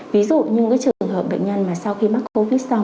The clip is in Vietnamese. ví dụ như cái trường hợp bệnh nhân mà sau khi mắc covid xong